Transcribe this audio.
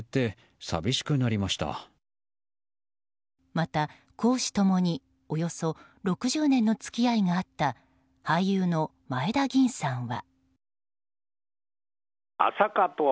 また、公私ともにおよそ６０年の付き合いがあった俳優の前田吟さんは。